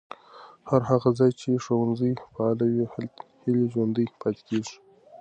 هر هغه ځای چې ښوونځي فعال وي، هیلې ژوندۍ پاتې کېږي.